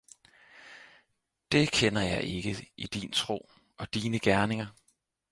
Det kender jeg ikke i din tro og dine gerninger.